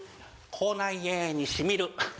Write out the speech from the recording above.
口内炎にしみる。